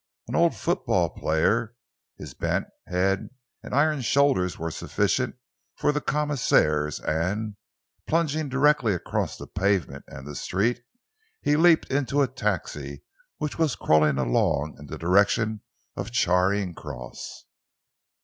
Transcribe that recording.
An old football player, his bent head and iron shoulder were sufficient for the commissionaires, and, plunging directly Across the pavement and the street, he leapt into a taxi which was crawling along in the direction of Charing Cross.